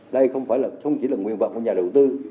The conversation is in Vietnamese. đây không chỉ là nguyên vật của nhà đầu tư